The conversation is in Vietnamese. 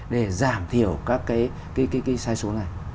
để giảm thiểu các cái sai số này